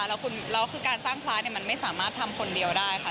แล้วคือการสร้างพระมันไม่สามารถทำคนเดียวได้ค่ะ